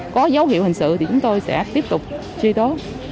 có dấu hiệu hình sự thì chúng tôi sẽ tiếp tục truy tố